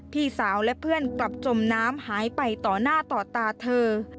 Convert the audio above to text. พี่สาวและเพื่อนกลับจมน้ำหายไปต่อหน้าต่อตาเธอ